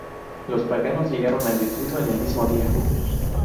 Los paganos llegaron al distrito en el mismo día.